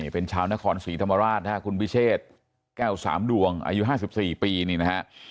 เป็นชาวนครศรีธรรมราชนะครับคุณวิเชษแก้วสามดวงอายุ๕๔ปีนี่นะฮะ